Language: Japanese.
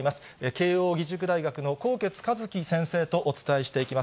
慶応義塾大学の纐纈一起先生とお伝えしていきます。